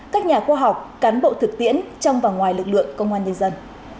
các nhà khoa học cán bộ thực tiễn trong và ngoài lực lượng công an nhân dân